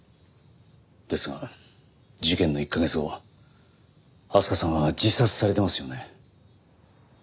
ですが事件の１カ月後明日香さんは自殺されてますよね。